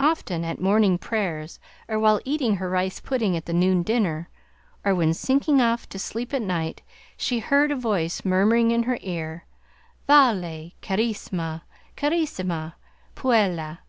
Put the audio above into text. Often, at morning prayers, or while eating her rice pudding at the noon dinner, or when sinking off to sleep at night, she heard a voice murmuring in her ear, "Vale, carissima, carissima puella!"